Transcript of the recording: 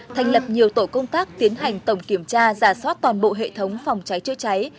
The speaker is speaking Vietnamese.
thành lập nhiều tổ công tác tiến hành tổng kiểm tra giả soát toàn bộ hệ thống phòng cháy chữa cháy